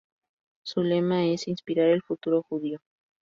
Su lema es inspirar el futuro judío.